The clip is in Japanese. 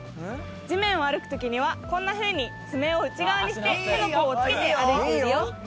地面を歩く時にはこんなふうに爪を内側にして手の甲をつけて歩いているよ。